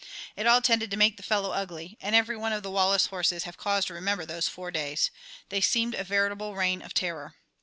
It all tended to make the fellow ugly, and every one of the Wallace horses have cause to remember those four days. They seemed a veritable reign of terror.